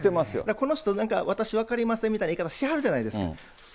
この人、私分かりませんみたいな言い方しはるじゃないですか。